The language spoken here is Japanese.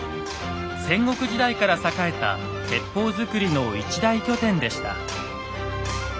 戦国時代から栄えた鉄砲作りの一大拠点でした。